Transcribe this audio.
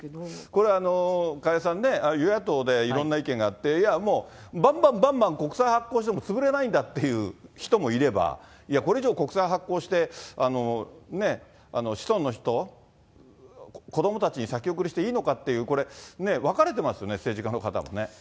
これ、加谷さんね、与野党でいろんな意見があって、いやもう、ばんばんばんばん国債発行しても潰れないんだっていう人もいれば、いや、これ以上国債発行して子孫の人、子どもたちに先送りしていいのかっていう、これ、分かれてますよね、政治家の方もね。